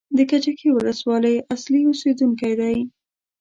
د کجکي ولسوالۍ اصلي اوسېدونکی دی.